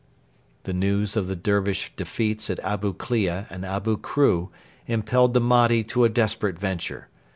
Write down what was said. The news of the Dervish defeats at Abu Klea and Abu Kru impelled the Mahdi to a desperate venture.